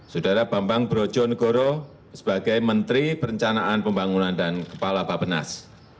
saudara bambang brojonegoro sebagai menteri perencanaan pembangunan dan kepala bapenas